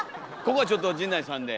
ここはちょっと陣内さんで。